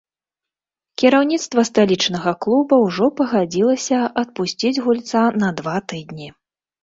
Кіраўніцтва сталічнага клуба ўжо пагадзілася адпусціць гульца на два тыдні.